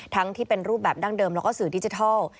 ที่เป็นรูปแบบดั้งเดิมแล้วก็สื่อดิจิทัล